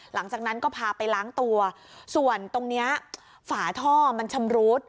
หลังจากนั้นก็พาไปล้างตัวส่วนตรงเนี้ยฝาท่อมันชำรุด